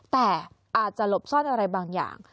แต่อาจจะหลบซ่อนอะไรบางอย่าง